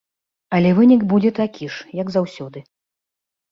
Але вынік будзе такі ж, як заўсёды.